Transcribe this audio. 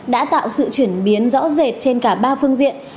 đã tạo sự chuyển biến rõ rệt trên cả ba phương diện